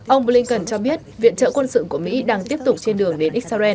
ông blinken cho biết viện trợ quân sự của mỹ đang tiếp tục trên đường đến israel